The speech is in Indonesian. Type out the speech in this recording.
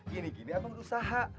gini gini abang berusaha